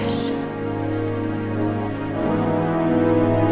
terima kasih tante